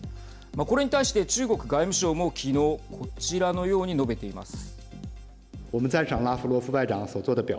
これに対して中国外務省も、きのうこちらのように述べています。